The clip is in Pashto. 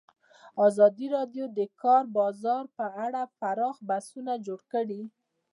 ازادي راډیو د د کار بازار په اړه پراخ بحثونه جوړ کړي.